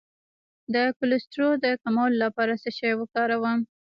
د کولیسټرول د کمولو لپاره څه شی وکاروم؟